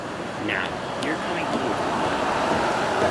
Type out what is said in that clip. Now, you’re coming home with me.